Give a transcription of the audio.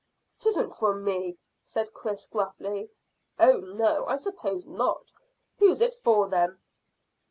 "'Tisn't for me," said Chris gruffly. "Oh no! I suppose not. Who's it for, then?"